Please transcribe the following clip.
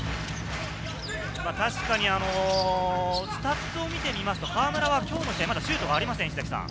確かにスタッツを見てみますと、河村は今日の試合、まだシュートがありません。